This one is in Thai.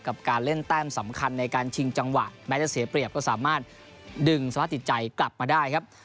การเล่นแต้มสำคัญในการชิงจังหวะแม้จะเสียเปรียบก็สามารถดึงสภาพจิตใจกลับมาได้ครับ